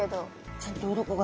ちゃんと鱗が。